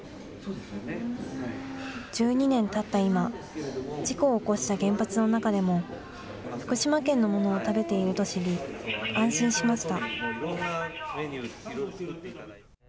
１２年たった今、事故を起こした原発の中でも、福島県のものを食べていると知り、安心しました。